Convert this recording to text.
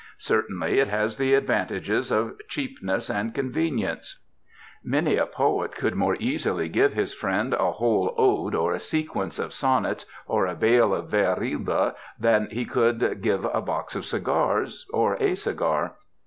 Certainly it has the advantages of cheapness and convenience. Many a Digitized by Google / ESSAYS poet could more easily give his friend a whole ode or a sequence of sonnets or a bale of vers libre than he could give a box of cigars, or a cigar.